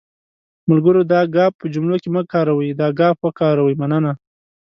ملګرو دا گ په جملو کې مه کاروٸ، دا ګ وکاروٸ.مننه